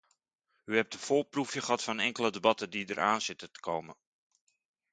U hebt een voorproefje gehad van enkele debatten die eraan zitten te komen.